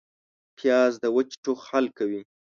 پیاز د وچ ټوخ حل کوي